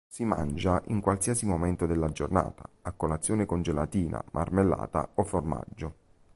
Si mangia in qualsiasi momento della giornata, a colazione con gelatina, marmellata o formaggio.